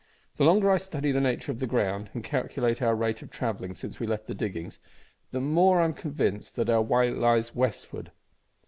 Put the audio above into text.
The longer I study the nature of the ground, and calculate our rate of travelling since we left the diggings, the more am I convinced that our way lies westward."